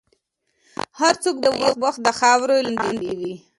هر څوک به یو وخت د خاورې لاندې وي.